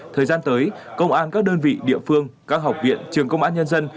thời gian tới công an các đơn vị địa phương các học viện trường công an nhân dân